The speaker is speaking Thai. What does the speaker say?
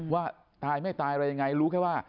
ว่าตายไม่ตายอะไรยังไงรู้แค่ว่า